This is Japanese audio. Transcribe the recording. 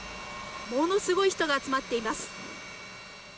ものすごい人が集まっています。